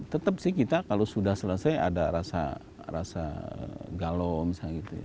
tetap sih kita kalau sudah selesai ada rasa galau